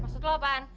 maksud kamu apa pan